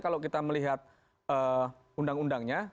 kalau kita melihat undang undangnya